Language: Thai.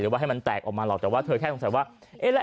หรือว่าให้มันแตกออกมาหรอกแต่ว่าเธอแค่สงสัยว่าเอ๊ะแล้ว